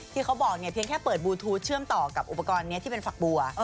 ที่เขาบอกเนี่ยเพียงแค่เปิดบลูทูธเชื่อมต่อกับอุปกรณ์นี้ที่เป็นฝักบัว